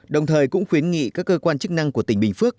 đồng thời cũng khuyến nghị các cơ quan chức năng của tỉnh bình phước